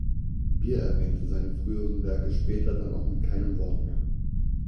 Beer erwähnte seine frühen Werke später dann auch mit keinem Wort mehr.